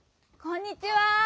こんにちは。